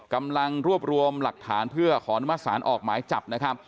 กำลังรวบรวมหลักฐานเพื่อขออนุมัติศาลออกหมายจับนะครับ